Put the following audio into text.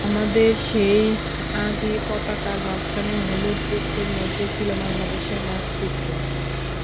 আমাদের সেই আদি পতাকার মাঝখানে হলুদ বৃত্তের মধ্যে ছিল বাংলাদেশের মানচিত্র।